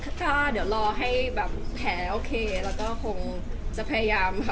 ถ้าเดี๋ยวรอให้แบบแผลโอเคแล้วก็คงจะพยายามค่ะ